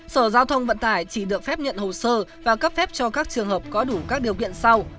sở giao thông vận tải chỉ được phép nhận hồ sơ và cấp phép cho các trường hợp có đủ các điều kiện sau